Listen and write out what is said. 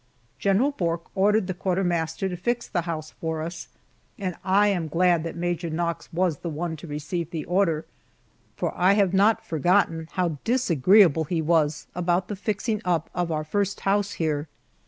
General Bourke ordered the quartermaster to fix the house for us, and I am glad that Major Knox was the one to receive the order, for I have not forgotten how disagreeable he was about the fixing up of our first house here.